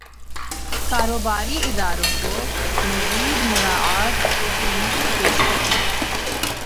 کاروباری اداروں کو مزید مراعات کی پیشکش